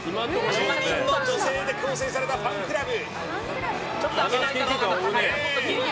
１０人の女性で構成されたファンクラブ。